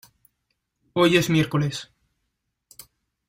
Hoy es miércoles.